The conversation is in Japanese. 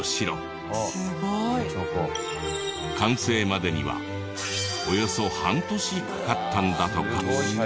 完成までにはおよそ半年かかったんだとか。